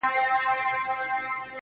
دا څو وجوده ولې بې زبانه سرگردانه~